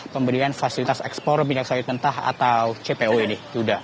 pemberian fasilitas ekspor minyak sawit mentah atau cpo ini